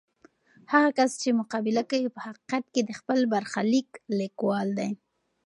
هغه کس چې مقابله کوي، په حقیقت کې د خپل برخلیک لیکوال دی.